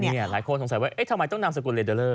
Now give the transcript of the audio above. นี่เนี่ยหลายคนสงสัยว่าเอ๊ะทำไมต้องนำสกุลเรดเดอร์เลอร์